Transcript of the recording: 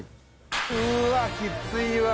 うわきついわ！